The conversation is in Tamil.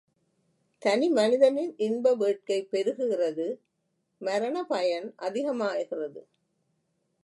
தனி மனிதனின் இன்ப வேட்கை பெருகுகிறது மரணபயன் அதிகமாகிறது.